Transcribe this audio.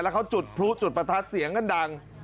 เขาจุดพลุจุดประทัดเสียงกันดัง